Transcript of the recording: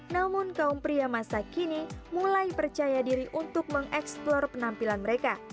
namun kaum pria masa kini mulai percaya diri untuk mengeksplor penampilan mereka